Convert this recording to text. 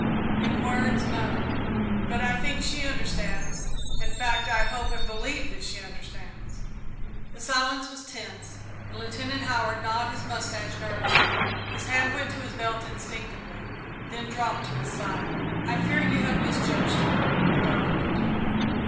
"In words, no but I think she understands in fact, I hope and believe that she understands." The silence was tense, and Lieutenant Howard gnawed his mustache nervously. His hand went to his belt instinctively, then dropped to his side. "I fear you have misjudged her," the Doctor continued.